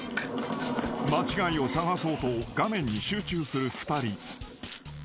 ［間違いを探そうと画面に集中する２人］